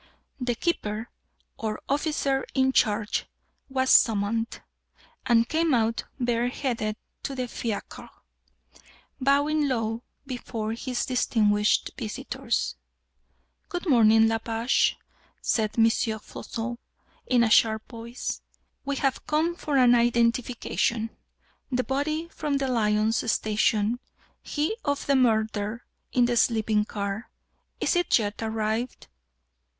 The keeper, or officer in charge, was summoned, and came out bareheaded to the fiacre, bowing low before his distinguished visitors. "Good morning, La Pêche," said M. Floçon in a sharp voice. "We have come for an identification. The body from the Lyons Station he of the murder in the sleeping car is it yet arrived?"